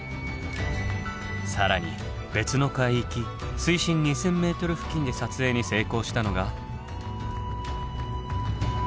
更に別の海域水深２，０００ｍ付近で撮影に成功したのが。